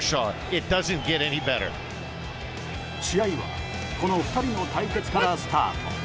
試合はこの２人の対決からスタート。